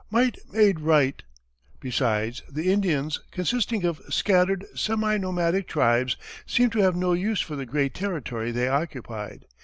Might made right; besides, the Indians, consisting of scattered, semi nomadic tribes, seemed to have no use for the great territory they occupied.